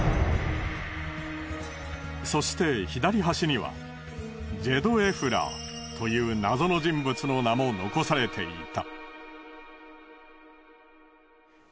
そして左端にはジェドエフラーという謎の人物の名も残されていた。